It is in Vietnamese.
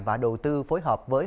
và đầu tư phối hợp với